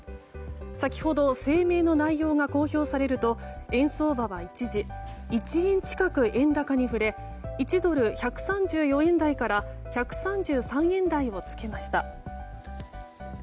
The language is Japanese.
先程、声明の内容が公表されると円相場は一時１円近く円高に振れ１ドル＝１３４円台から１３３円台を付けました。